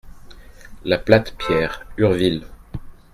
La Platte Pierre, Urville